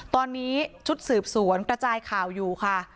ตอนนี้ชุดสืบสวนกระจายข่าวอยู่ค่ะ